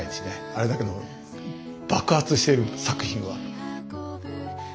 あれだけの爆発している作品は。